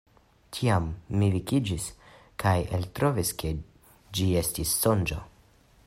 Tiam mi vekiĝis, kaj eltrovis, ke ĝi estis sonĝo.